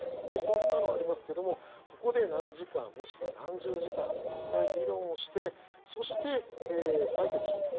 色んなのありますけどもここで何時間、もしくは何十時間いっぱい議論をしてそして、採決します。